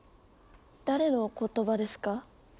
誰の言葉ですか？